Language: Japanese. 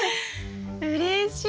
うれしい！